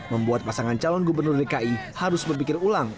membuat pasangan calon gubernur dki harus berpikir ulang